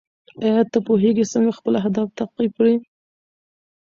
ایا ته پوهېږې څنګه خپل اهداف تعقیب کړې؟